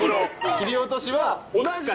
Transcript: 切り落としは。